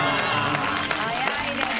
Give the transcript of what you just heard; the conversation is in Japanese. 早いです！